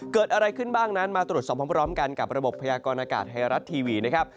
เกิดอะไรขึ้นบ้างนั้นมาตรวจสอบพร้อมกันกับระบบพยากรณากาศไทยรัฐทีวีนะครับ